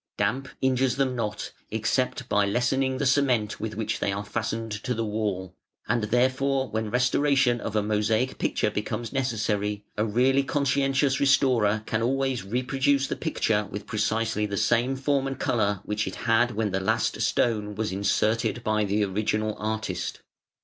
Damp injures them not, except by lessening the cement with which they are fastened to the wall, and therefore when restore tion of a mosaic picture becomes necessary, a really conscientious restorer can always reproduce the picture with precisely the same form and colour which it had when the last stone was inserted by the original artist.